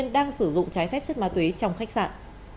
đang sử dụng trái phép chất ma túy trong khách sạn